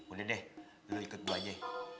udah deh dulu ikut gue aja